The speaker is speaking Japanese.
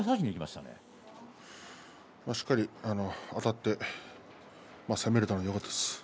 しっかりあたって攻められたのがよかったです。